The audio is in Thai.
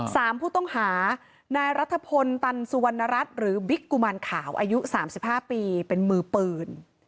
สามผู้ต้องหานายรัฐพลตันสุวรรณรัฐหรือบิ๊กกุมารขาวอายุสามสิบห้าปีเป็นมือปืน